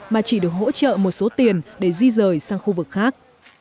mà chỉ được hỗ trợ một số tiền để di rời sang khu vực khác